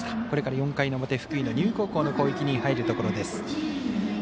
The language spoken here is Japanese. これから４回の表福井の丹生高校の攻撃に入るところです。